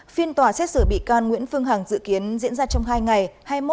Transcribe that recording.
phiên tòa xét xử bị can nguyễn phương hằng dự kiến diễn ra trong hai ngày